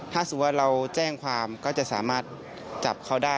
ถ้าสมมุติว่าเราแจ้งความก็จะสามารถจับเขาได้